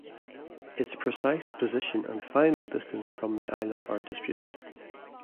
Its precise position and final distance from the island are disputed.